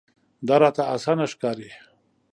دا راته اسانه ښکاري.